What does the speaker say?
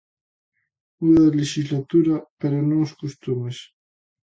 Muda a lexislatura pero non os costumes.